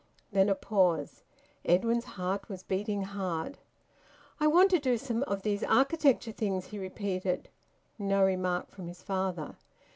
Then a pause. Edwin's heart was beating hard. "I want to do some of these architecture things," he repeated. No remark from his father.